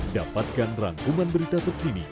dapatkan rangkuman berita terkini